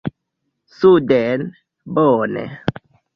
“Suden”, bone.